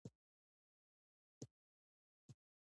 قدرت د اسمان نیلاوالي ته ښکلا ورکوي.